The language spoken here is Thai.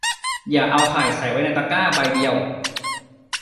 อย่าเอาไข่ใส่ไว้ในตะกร้าใบเดียว